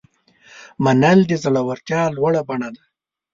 منل د زړورتیا لوړه بڼه ده.